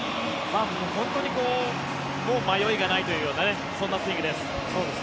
本当に迷いがないというようなそういうスイングです。